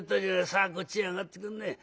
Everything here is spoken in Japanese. さあこっち上がってくんねえ。